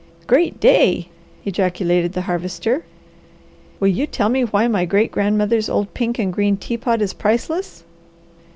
"Great day!" ejaculated the Harvester. "Will you tell me why my great grandmother's old pink and green teapot is priceless?"